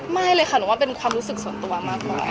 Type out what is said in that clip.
ไม่เลยค่ะหนูว่าเป็นความรู้สึกส่วนตัวมากกว่า